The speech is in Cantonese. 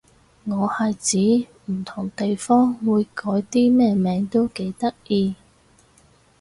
我係指唔同地方會改啲咩名都幾得意